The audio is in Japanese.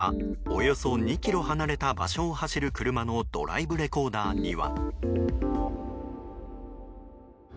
現場から、およそ２ｋｍ離れた場所を走る車のドライブレコーダーには。